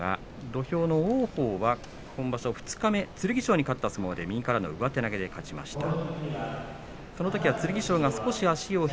土俵の王鵬は今場所二日目剣翔に勝った相撲で右からの上手投げで勝ちました。